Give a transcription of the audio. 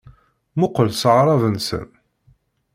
Mmuqqel s aɣrab-nsen.